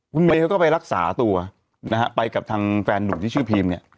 คุณเมย์เขาก็ไปรักษาตัวนะฮะไปกับทางแฟนหนุ่มที่ชื่อพีมเนี่ย